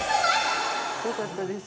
よかったです。